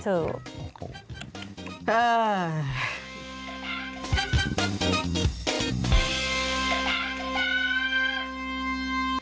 ใช่